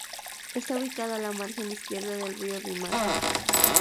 Está ubicado a la margen izquierda del río Rímac.